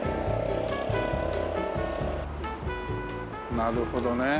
なるほどね。